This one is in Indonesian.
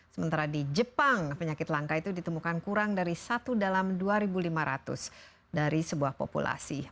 sementara di jepang penyakit langka itu ditemukan kurang dari satu dalam dua lima ratus dari sebuah populasi